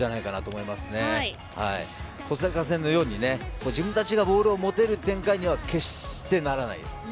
そこからコスタリカ戦のように自分たちがボールを持てる展開には決してならないです。